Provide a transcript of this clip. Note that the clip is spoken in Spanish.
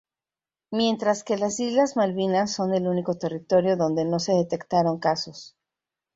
Mientras que las Islas Malvinas son el único territorio donde no se detectaron casos.